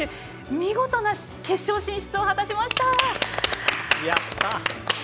見事な決勝進出を果たしました。